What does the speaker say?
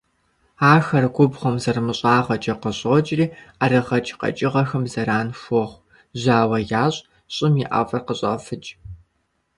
Ахэр губгъуэм зэрымыщӀагъэкӀэ къыщокӀри ӀэрыгъэкӀ къэкӀыгъэхэм зэран хуохъу, жьауэ ящӀ, щӀым и ӀэфӀыр къыщӀафыкӀ.